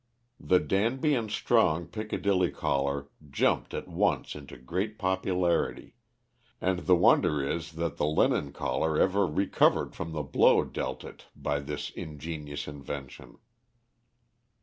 The Danby and Strong Piccadilly collar jumped at once into great popularity, and the wonder is that the linen collar ever recovered from the blow dealt it by this ingenious invention.